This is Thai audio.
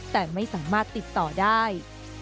แต่ไม่สามารถติดต่อได้